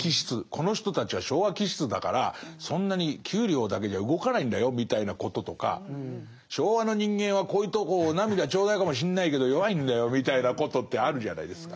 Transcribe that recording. この人たちは昭和気質だからそんなに給料だけじゃ動かないんだよみたいなこととか昭和の人間はこういうとこお涙頂戴かもしんないけど弱いんだよみたいなことってあるじゃないですか。